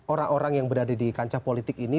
orang orang yang berada di kancah politik ini